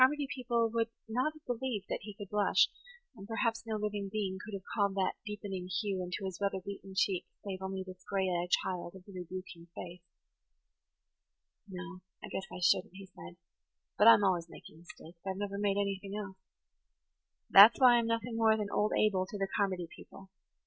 Carmody people would not have believed he could blush; and perhaps no living being could have called that deep [Page 84] ening hue into his weather beaten cheek save only this gray eyed child of the rebuking face. "No, I guess I shouldn't," he said. "But I'm always making mistakes. I've never made anything else. That's why I'm nothing more than 'Old Abel' to the Carmody people.